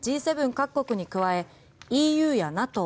各国に加えＥＵやＮＡＴＯ